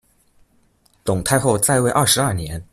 董太后在位二十二年。